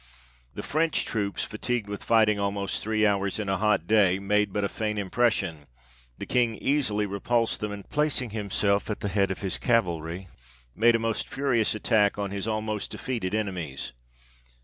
The French troops fatigued with fighting almost three hours, in a hot day, made but a faint impression, the King easily repulsed them, and placing himself at the head of his cavalry, made a most furious attack on his almost defeated enemies.